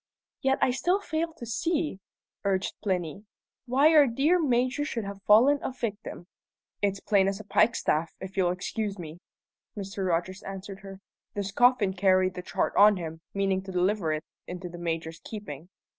"Yet I still fail to see," urged Plinny, "why our dear Major should have fallen a victim." "It's plain as a pikestaff, if you'll excuse me," Mr. Rogers answered her. "This Coffin carried the chart on him, meaning to deliver it into the Major's keeping.